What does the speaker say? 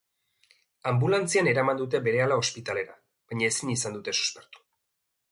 Anbulantzian eraman dute berehala ospitalera, baina ezin izan dute suspertu.